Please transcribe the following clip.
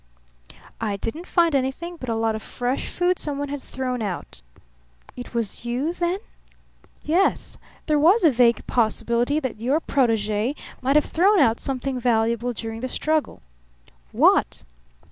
"I didn't find anything but a lot of fresh food someone had thrown out." "It was you, then?" "Yes. There was a vague possibility that your protege might have thrown out something valuable during the struggle." "What?"